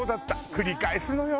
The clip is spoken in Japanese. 繰り返すのよ。